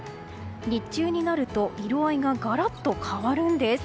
日中になると色合いがガラッと変わるんです。